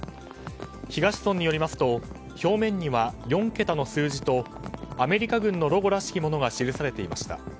東村によりますと表面には４桁の数字とアメリカ軍のロゴらしきものが記されていました。